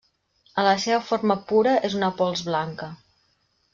En la seva forma pura és una pols blanca.